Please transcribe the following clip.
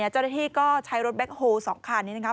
เจ้าหน้าที่ก็ใช้รถแบ็คโฮ๒คันนี้นะครับ